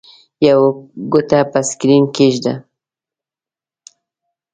یوه ګوته پر سکرین کېږده.